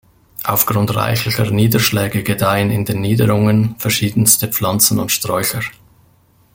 Aufgrund reichlicher Niederschläge gedeihen in den Niederungen verschiedenste Pflanzen und Sträucher.